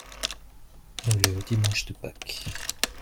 Le dimanche de Pâques.